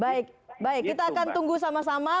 baik baik kita akan tunggu sama sama